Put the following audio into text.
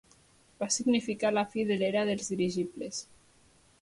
Va significar la fi de l'era dels dirigibles.